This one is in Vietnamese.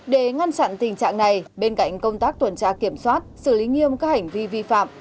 để ngăn chặn tình trạng này bên cạnh công tác tuần tra kiểm soát xử lý nghiêm các hành vi vi phạm